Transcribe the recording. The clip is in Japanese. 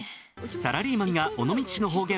サラリーマンが尾道市の方言